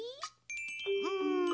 うん。